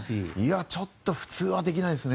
ちょっと普通はできないですね。